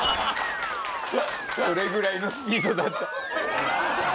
それぐらいのスピードだった。